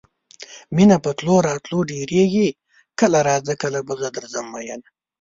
مینه په تلو راتلو ډیریږي کله راځه کله به زه درځم میینه